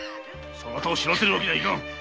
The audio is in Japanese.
そなたを死なせるわけにはいかん。